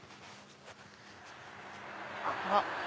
あっ！